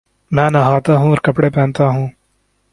میں نہاتاہوں اور کپڑے پہنتا ہوں